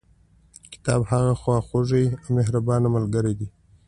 کتاب هغه خواخوږي او مهربانه ملګري دي.